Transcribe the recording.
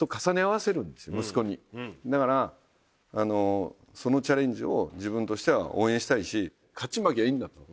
だからそのチャレンジを自分としては応援したいし勝ち負けはいいんだと。